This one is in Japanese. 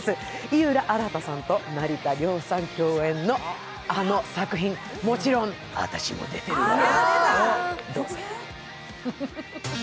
井浦新さんと成田凌さん共演のあの作品、もちろん私も出てるわよ。